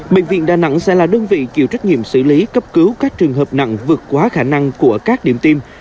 bệnh viện đà nẵng sẽ là đơn vị chịu trách nhiệm xử lý cấp cứu các trường hợp nặng vượt quá khả năng của các điểm tiêm